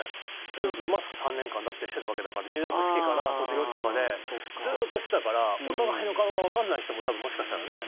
ずっとマスク３年間だって、してたわけだから入学式から卒業式までずっとしてたからお互いの顔がわかんない人も多分、もしかしたらね。